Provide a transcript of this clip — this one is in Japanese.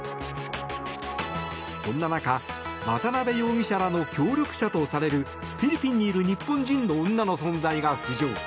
そんな中、渡邉容疑者らの協力者とされるフィリピンにいる日本人の女の存在が浮上。